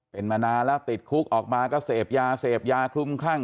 เป็นมานานแล้วติดคุกออกมาก็เสพยาเสพยาคลุมคลั่ง